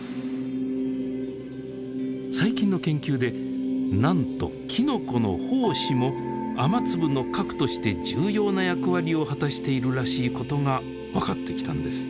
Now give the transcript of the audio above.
最近の研究でなんときのこの胞子も雨粒の核として重要な役割を果たしているらしいことが分かってきたんです。